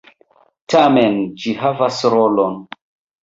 Tamen, ĝi havas rolon.